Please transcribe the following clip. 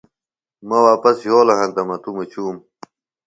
مہ واپس یھولوۡ ہینتہ مہ توۡ مُچوم